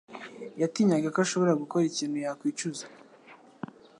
yatinyaga ko ashobora gukora ikintu yakwicuza.